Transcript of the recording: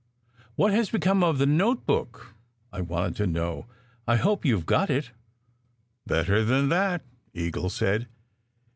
"What has become of the notebook? " I wanted to know. "I hope you ve got it?" "Better than that," Eagle said.